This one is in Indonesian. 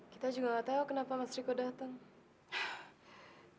kita juga gak tahu kenapa mas riko datang